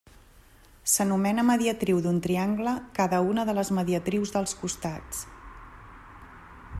S'anomena mediatriu d'un triangle cada una de les mediatrius dels costats.